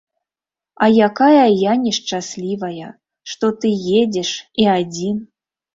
А якая я нешчаслівая, што ты едзеш, і адзін.